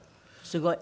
すごい。